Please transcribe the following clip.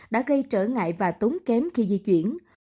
đã gây trở ngại và tốn kém khi di chuyển